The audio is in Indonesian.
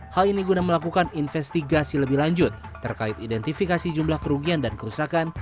hal ini guna melakukan investigasi lebih lanjut terkait identifikasi jumlah kerugian dan kerusakan